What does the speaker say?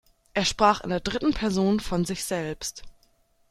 Er sprach in der dritten Person von sich selbst.